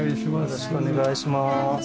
よろしくお願いします。